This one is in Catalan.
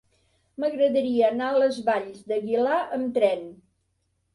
M'agradaria anar a les Valls d'Aguilar amb tren.